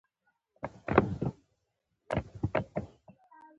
دا هوساینه د ټولنې لوړ پاړکي ترمنځ وېشي